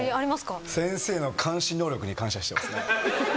先生の監視能力に感謝してますね。